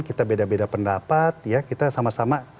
kita beda beda pendapat ya kita sama sama